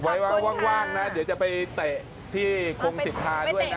ไว้ว่างนะเดี๋ยวจะไปเตะที่คงสิทธาด้วยนะ